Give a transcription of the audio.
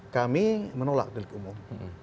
kami menolak delik umum